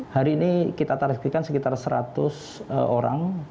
hari ini kita targetkan sekitar seratus orang